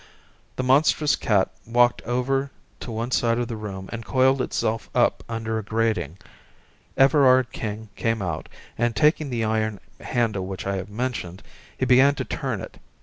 The monstrous cat walked over to one side of the room and coiled itself up under a grating. Everard King came out, and taking the iron handle which I have mentioned, he began to turn it.